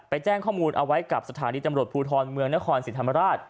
ไปแจ้งข้อมูลเอาไว้กับสถานีจำรวจภูทรเมืองนครสิรภรรรดิ์